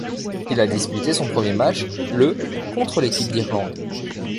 Il a disputé son premier match le contre l'équipe d'Irlande.